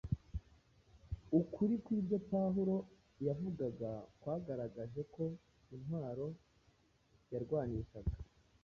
ukuri kw’ibyo Pawulo yavugaga kwagaragaje ko intwaro yarwanishaga